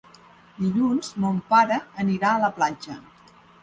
Dilluns mon pare anirà a la platja.